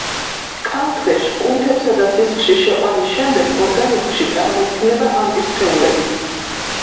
კანქვეშ, კუნთებსა ან სისხლში შეყვანის შემდეგ ორგანიზმში წარმოიქმნება ანტისხეულები.